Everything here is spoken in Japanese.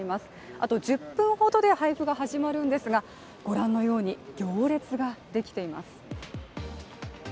あと１０分ほどで配布が始まるんですが御覧のように行列ができています。